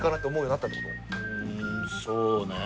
うんそうね。